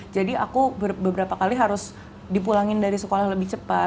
jadi aku beberapa kali harus dipulangin dari sekolah lebih cepat